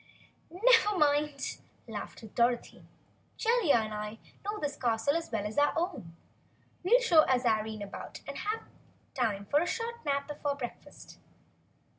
"Never mind," laughed Dorothy. "Jellia and I know this castle as well as our own. We'll show Azarine about and have time for a short nap before breakfast."